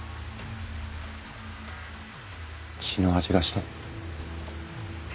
血の味がした。